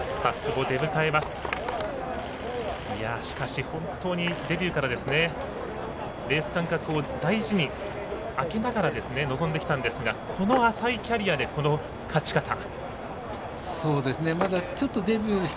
しかし、本当にデビューからレース間隔を大事に空けながら臨んできたんですがこの浅いキャリアで勝ちました。